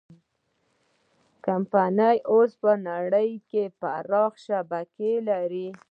کمپنۍ اوس په نړۍ کې پراخه شبکه لري.